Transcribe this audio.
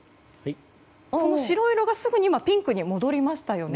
白色がすぐにピンクに戻りましたよね。